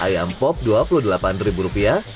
ayam pop dua puluh delapan rupiah